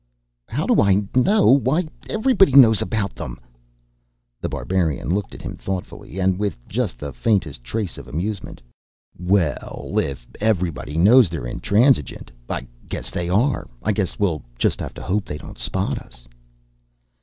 "How do I know? Why, everybody knows about them!" The Barbarian looked at him thoughtfully, and with just the faintest trace of amusement. "Well, if everybody knows they're intransigent, I guess they are. I guess we'll just have to hope they don't spot us."